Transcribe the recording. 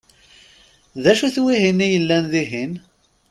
D acu-t wihin i yellan dihin?